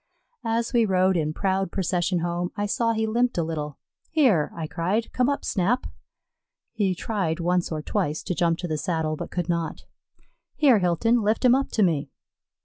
As we rode in proud procession home, I saw he limped a little. "Here," I cried, "come up, Snap." He tried once or twice to jump to the saddle, but could not. "Here, Hilton, lift him up to me."